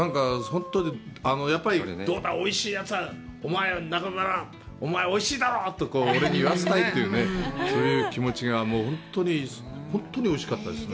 やっぱり、どうだ、おいしいやつだ、おまえ、おいしいだろう！と俺に言わせたいという、そういう気持ちが本当に、本当においしかったですね。